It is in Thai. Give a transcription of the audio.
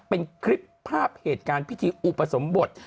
เป็นคลิปภาพเหตุการณ์พิธีอุปสมบท